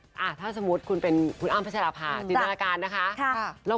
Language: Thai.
การหยอดออดอ้อนป้อนมุกกันหวานช้ำครับ